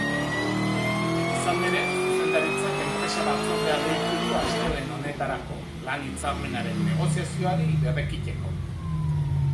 Izan ere, zuzendaritzak enpresa-batzordea deitu du astelehen honetarako, lan-hitzarmenaren negoziazioari berrekiteko.